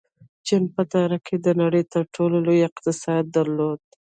چین په تاریخ کې د نړۍ تر ټولو لوی اقتصاد درلود.